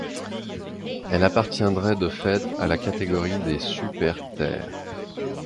Elle appartiendrait de fait à la catégorie des super-Terre.